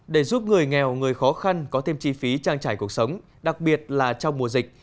để giúp người nghèo người khó khăn có thêm chi phí trang trải cuộc sống đặc biệt là trong mùa dịch